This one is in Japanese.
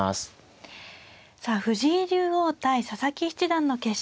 さあ藤井竜王対佐々木七段の決勝戦となりました。